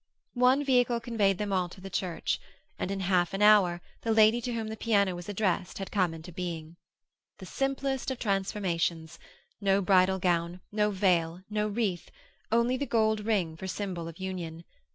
One vehicle conveyed them all to the church, and in half an hour the lady to whom the piano was addressed had come into being. The simplest of transformations; no bridal gown, no veil, no wreath; only the gold ring for symbol of union.